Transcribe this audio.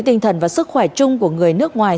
tinh thần và sức khỏe chung của người nước ngoài